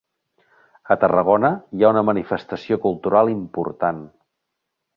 A Tarragona hi ha una manifestació cultural important.